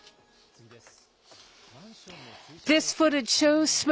次です。